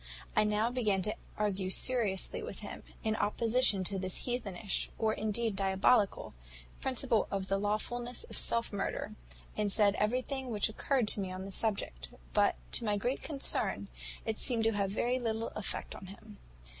"I now began to argue very seriously with him, in opposition to this heathenish, or indeed diabolical, principle of the lawfulness of self murder; and said everything which occurred to me on the subject; but, to my great concern, it seemed to have very little effect on him.